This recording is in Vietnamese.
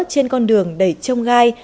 trên con đường đầy trông gai